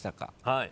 はい。